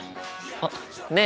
あっねえ